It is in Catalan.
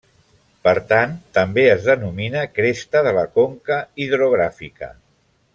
Per tant, també es denomina cresta de la conca hidrogràfica.